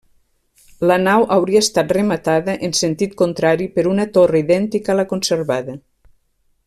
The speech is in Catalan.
La nau hauria estat rematada, en sentit contrari, per una torre idèntica a la conservada.